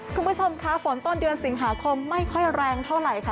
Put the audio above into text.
คุณผู้ชมค่ะฝนต้นเดือนสิงหาคมไม่ค่อยแรงเท่าไหร่ค่ะ